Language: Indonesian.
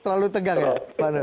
terlalu tegang ya pak nur